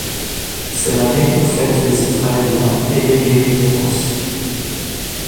C’est l’année où fêtent les israéliens et les guérilleros.